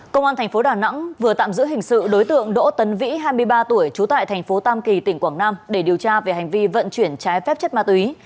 công an thành phố đà nẵng vừa tạm giữ hình sự đối tượng đỗ tấn vĩ hai mươi ba tuổi trú tại thành phố tam kỳ tỉnh quảng nam để điều tra về hành vi vận chuyển trái phép chất ma túy